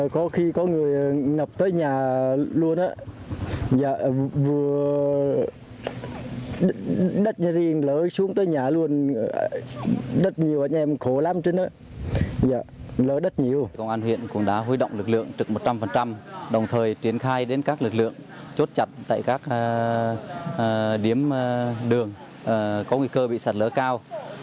công an huyện cũng đã huy động lực lượng trực một trăm linh đồng thời triển khai đến các lực lượng chốt chặt tại các điểm đường có nguy cơ bị sạt lỡ cao